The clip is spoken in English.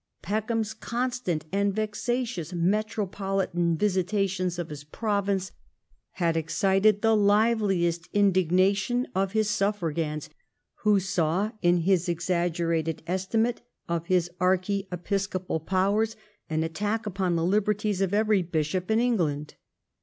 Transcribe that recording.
Peckham's constant and vexatious metropolitical visitations of his province had excited the liveliest indignation of his suffragans, who saw in his exaggerated estimate of his archiepiscopal powers an attack upon the liberties of every bishop in England.